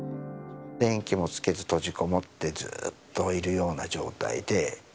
電気もつけず、閉じこもってずっといるような状態で。